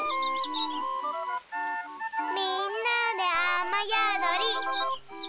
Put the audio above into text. みんなであまやどり。